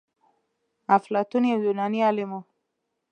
افلاطون يو يوناني عالم و.